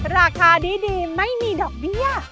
ราคาดีไม่มีดอกเบี้ย